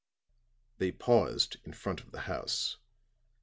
They paused in front of the house.